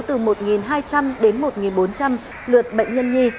từ một hai trăm linh đến một bốn trăm linh lượt bệnh nhân nhi